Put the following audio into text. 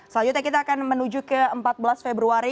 selanjutnya kita akan menuju ke empat belas februari